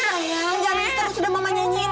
udah sayang jangan terus udah mama nyanyiin